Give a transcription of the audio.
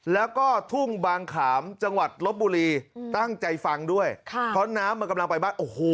แล้วก็ทุ่งบางขามจังหวัดลบบุรีตั้งใจฟังด้วยค่ะเพราะน้ำมันกำลังไปบ้านโอ้โห